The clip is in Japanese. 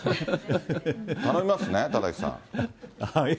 頼みますね、田崎さん。